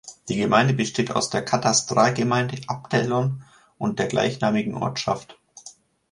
Die Gemeinde besteht aus der Katastralgemeinde Apetlon mit der gleichnamigen Ortschaft.